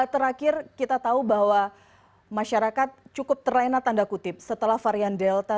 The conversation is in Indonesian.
terakhir kita tahu bahwa masyarakat cukup terlena tanda kutip setelah varian delta